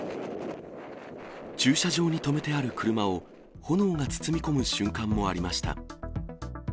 駐車場に止めてある車を、炎が包み込む瞬間もありました。